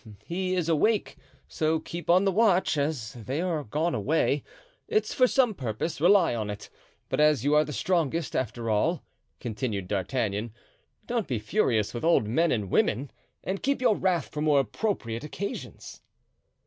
"He is awake, so keep on the watch, as they are gone away; it's for some purpose, rely on it. But as you are the strongest, after all," continued D'Artagnan, "don't be furious with old men and women, and keep your wrath for more appropriate occasions."